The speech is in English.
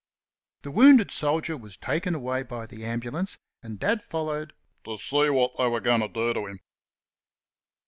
The wounded soldier was taken away by the ambulance, and Dad followed "to see what they were going to do to him."